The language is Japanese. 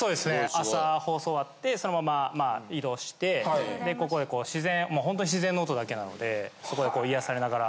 朝放送終わってそのまままあ移動してここで自然ほんと自然の音だけなのでそこでこう癒やされながら。